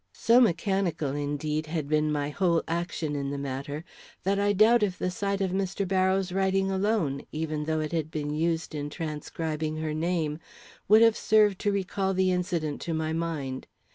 So mechanical, indeed, had been my whole action in the matter, that I doubt if the sight of Mr. Barrows' writing alone, even though it had been used in transcribing her name, would have served to recall the incident to my mind.